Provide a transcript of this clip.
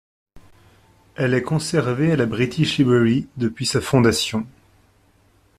Elle est conservée à la British Library depuis sa fondation.